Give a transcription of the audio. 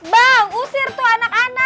bang usir tuh anak anak